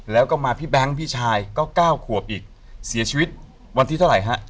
แล้วก็มาพี่แบงค์พี่ชายก็๙ขวบอีกเสียชีวิตวันที่เท่าไหร่ฮะ